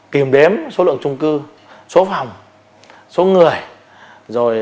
kiểm đếm số lượng trung cư số phòng số người